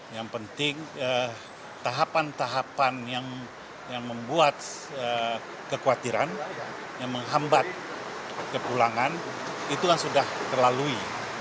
yang penting tahapan tahapan yang membuat kekhawatiran yang menghambat kepulangan itu kan sudah terlalui